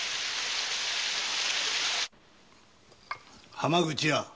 浜口屋。